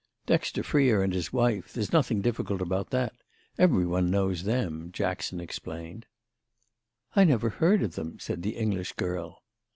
"Dexter Freer and his wife—there's nothing difficult about that. Every one knows them," Jackson explained. "I never heard of them," said the English girl.